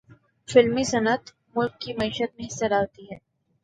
فلمی صنعت ملک کی معیشت میں حصہ ڈالتی ہے۔